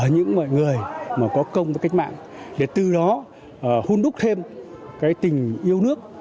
người mà có công và cách mạng để từ đó hôn đúc thêm tình yêu nước